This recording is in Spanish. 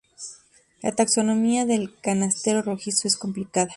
La taxonomía del canastero rojizo es complicada.